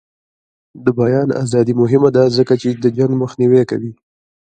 د بیان ازادي مهمه ده ځکه چې جنګ مخنیوی کوي.